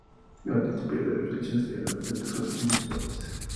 Durante este "período de reflexión", se dieron diferentes soluciones y propuestas.